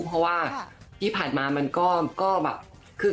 เพราะว่าที่ผ่านมามันก็แบบคือ